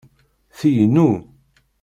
Ti inu.